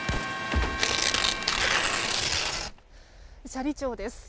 斜里町です。